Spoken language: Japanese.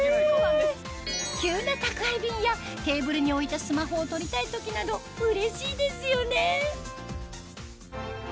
急な宅配便やテーブルに置いたスマホを取りたい時などうれしいですよね！